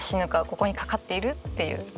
ここにかかっているっていう。